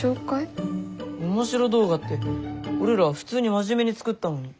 オモシロ動画って俺ら普通に真面目に作ったのに。